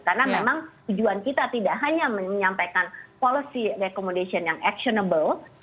karena memang tujuan kita tidak hanya menyampaikan policy recommendation yang actionable